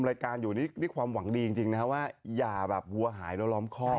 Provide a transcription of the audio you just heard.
รายการอยู่นี่ด้วยความหวังดีจริงนะครับว่าอย่าแบบวัวหายแล้วล้อมคอก